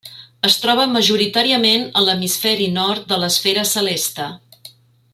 Es troba majoritàriament a l'hemisferi nord de l'esfera celeste.